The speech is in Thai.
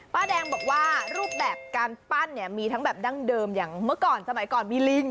ป้าแดงบอกว่ารูปแบบการปั้นเนี่ยมีทั้งแบบดั้งเดิมอย่างเมื่อก่อนสมัยก่อนมีลิง